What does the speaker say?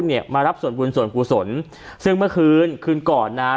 เนี่ยมารับส่วนบุญส่วนกุศลซึ่งเมื่อคืนคืนก่อนนะฮะ